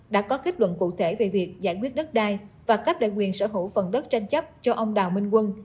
đã có kết luận cụ thể về việc giải quyết đất đai và cấp lại quyền sở hữu phần đất tranh chấp cho ông đào minh quân